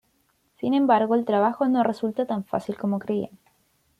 Sin embargo, el trabajo no resulta tan fácil como creían.